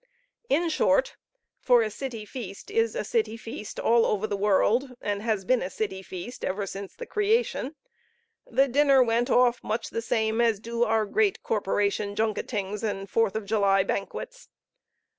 In short for a city feast is a city feast all over the world, and has been a city feast ever since the creation the dinner went off much the same as do our great corporation junketings and Fourth of July banquets.